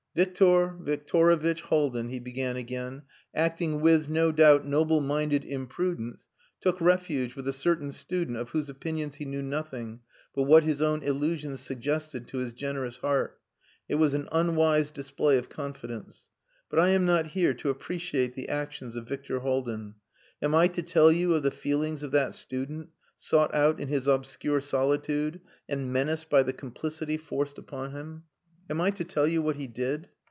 "Victor Victorovitch Haldin," he began again, "acting with, no doubt, noble minded imprudence, took refuge with a certain student of whose opinions he knew nothing but what his own illusions suggested to his generous heart. It was an unwise display of confidence. But I am not here to appreciate the actions of Victor Haldin. Am I to tell you of the feelings of that student, sought out in his obscure solitude, and menaced by the complicity forced upon him? Am I to tell you what he did?